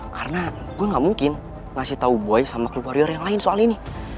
karena gue gak mungkin ngasih tau boy sama klub warrior yang lain soal ini